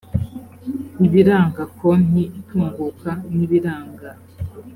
ibiranga konti itunguka n ibiranga